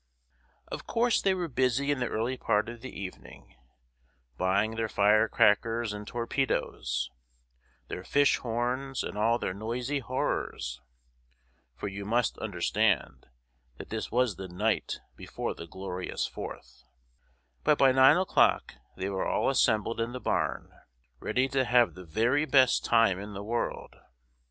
Of course they were busy in the early part of the evening, buying their firecrackers and torpedoes, their fish horns and all their noisy horrors (for you must understand that this was the night before the Glorious Fourth); but by nine o'clock they were all assembled in the barn, ready to have the very best time in the world.